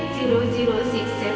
tentu tujuh bulan